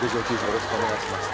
よろしくお願いします